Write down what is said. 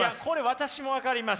私も分かります。